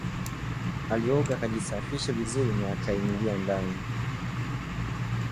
Alioga, akajisafisha vizuri na kuingia ndani